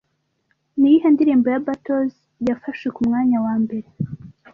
Niyihe ndirimbo ya Beatles yafashe kumwanya wa mbere